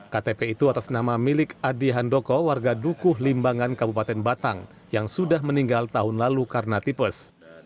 ktp itu atas nama milik adi handoko warga dukuh limbangan kabupaten batang yang sudah meninggal tahun lalu karena tipes